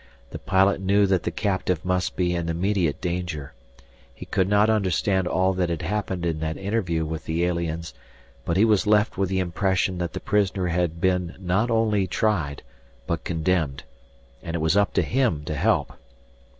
The pilot knew that the captive must be in immediate danger. He could not understand all that had happened in that interview with the aliens, but he was left with the impression that the prisoner had been not only tried but condemned. And it was up to him to help.